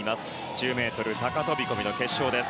１０ｍ高飛込の決勝です。